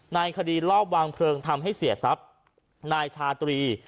ในคดีรอบวางเพลิงทำให้เสียทรัพย์นายชาตรี